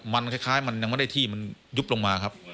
มันคล้ายมันยังไม่ได้ที่มันยุบลงมาครับ